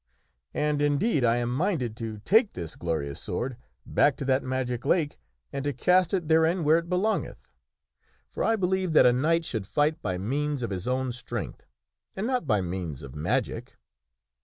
And, indeed, I am minded to take this glorious sword back to that magic lake and to cast it therein where it belongeth ; for I believe that a knight should fight by means of his own strength, and not by means of magic."